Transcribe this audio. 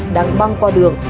đang băng qua đường